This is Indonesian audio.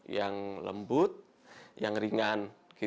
yang lembut yang ringan